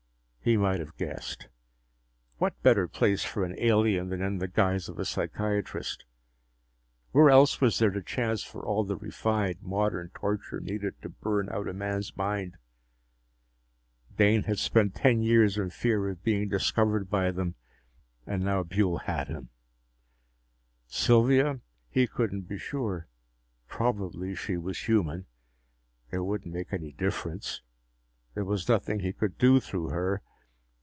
He might have guessed. What better place for an alien than in the guise of a psychiatrist? Where else was there the chance for all the refined, modern torture needed to burn out a man's mind? Dane had spent ten years in fear of being discovered by them and now Buehl had him. Sylvia? He couldn't be sure. Probably she was human. It wouldn't make any difference. There was nothing he could do through her.